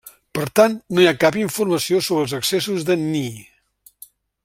Per tant, no hi ha cap informació sobre els excessos de Ni.